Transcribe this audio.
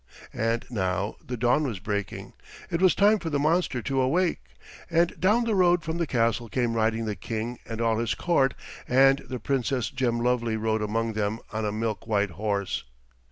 And now the dawn was breaking. It was time for the monster to awake, and down the road from the castle came riding the King and all his court, and the Princess Gemlovely rode among them on a milk white horse.